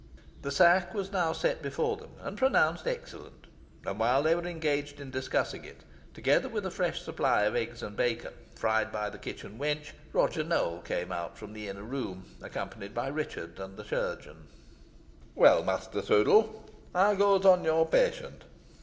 The sack was now set before them, and pronounced excellent, and while they were engaged in discussing it, together with a fresh supply of eggs and bacon, fried by the kitchen wench, Roger Nowell came out of the inner room, accompanied by Richard and the chirurgeon. "Well, Master Sudall, how goes on your patient?"